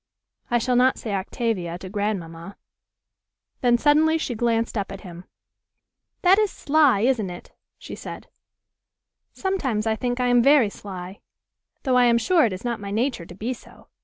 "I shall not say 'Octavia' to grandmamma." Then suddenly she glanced up at him. "That is sly, isn't it?" she said. "Sometimes I think I am very sly, though I am sure it is not my nature to be so.